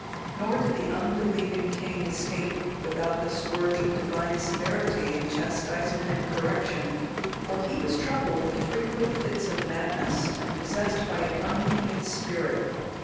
Nor did the unbelieving king escape without the scourge of Divine severity in chastisement and correction; for he was troubled with frequent fits of madness, and possessed by an unclean spirit.